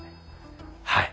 はい。